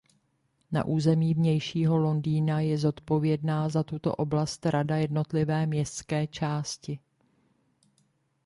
Na území Vnějšího Londýna je zodpovědná za tuto oblast rada jednotlivé městské části.